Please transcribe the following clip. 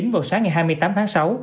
vào sáng ngày hai mươi tám tháng sáu